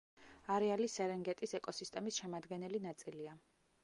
არეალი სერენგეტის ეკოსისტემის შემადგენელი ნაწილია.